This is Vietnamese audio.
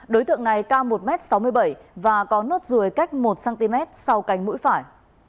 đối tượng này cao một m sáu mươi bảy và có nốt ruồi cách một cm sau cánh mũi phải